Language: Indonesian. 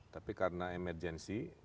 tapi karena emedit